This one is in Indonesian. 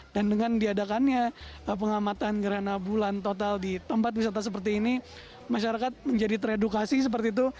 dan dengan diadakannya pengamatan gerhana bulan total di tempat wisata seperti ini masyarakat menjadi teredukasi seperti itu